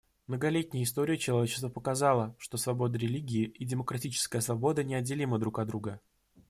Многолетняя история человечества показала, что свобода религии и демократическая свобода неотделимы друг от друга.